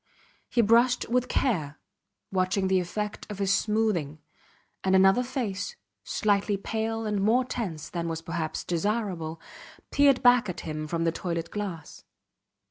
He brushed with care, watching the effect of his smoothing; and another face, slightly pale and more tense than was perhaps desirable, peered back at him from the toilet glass.